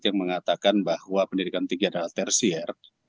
yang mengatakan bahwa pendidikan tinggi adalah tersier